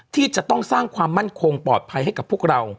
ที่จะต้องสร้างความมั่นคงปลอดภัยให้กับพวกเรา